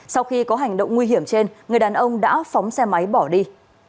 sau khi có hành động nguy hiểm trên người đàn ông đã phóng xe máy bỏ đi